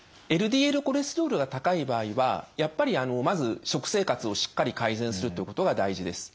ＬＤＬコレステロールが高い場合はやっぱりまず食生活をしっかり改善するということが大事です。